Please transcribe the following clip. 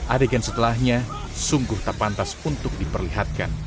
adegan setelahnya sungguh tak pantas untuk diperlihatkan